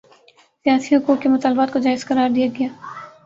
سیاسی حقوق کے مطالبات کوجائز قرار دیا گیا